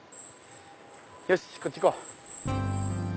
よしこっち行こう！